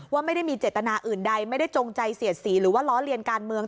ว่าไม่ได้มีเจตนาอื่นใดไม่ได้จงใจเสียดสีหรือว่าล้อเลียนการเมือง